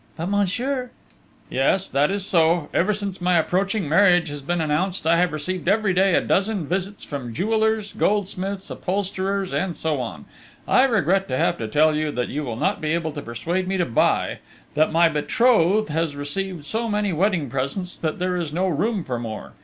"But, monsieur ..." "Yes!... That is so!... Ever since my approaching marriage has been announced, I have received, every day, a dozen visits from jewellers, goldsmiths, upholsterers, and so on ... I regret to have to tell you that you will not be able to persuade me to buy ... that my betrothed has received so many wedding presents that there is no room for more....